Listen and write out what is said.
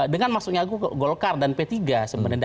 dengan maksudnya aku golkar dan p tiga sebenarnya